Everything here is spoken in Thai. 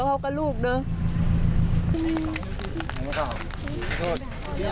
เขาเคลียดเรื่องอะไรอยู่